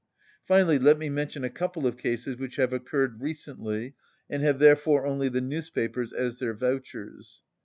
Finally, let me mention a couple of cases which have occurred recently, and have therefore only the newspapers as their vouchers.